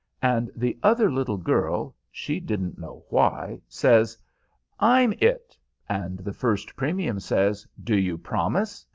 and the other little girl, she didn't know why, says, "I'm it," and old First Premium says, "Do you promise?"